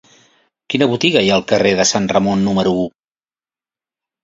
Quina botiga hi ha al carrer de Sant Ramon número u?